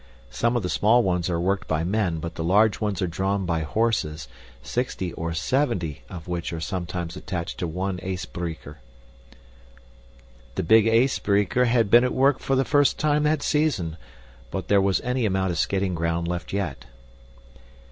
Some of the small ones are worked by men, but the large ones are drawn by horses, sixty or seventy of which are sometimes attached to one ysbreeker.} had been at work for the first time that season, but there was any amount of skating ground left yet.